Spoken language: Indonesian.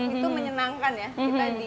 itu menyenangkan ya